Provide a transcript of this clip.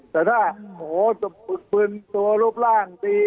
แต่ว่าเถิดถึงตัวรูปร่างดี